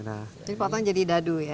jadi potong jadi dadu ya